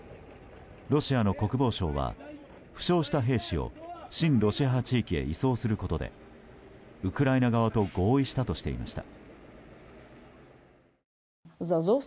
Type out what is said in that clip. ロシアの国防省は負傷した兵士を親ロシア派地域に移送することでウクライナ側と合意したとしていました。